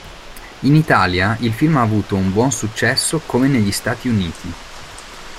In Italia il film ha avuto un buon successo come negli Stati Uniti.